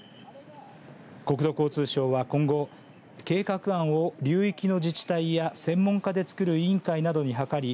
国土交通省は今後計画案を流域の自治体や専門家で作る委員会などに諮り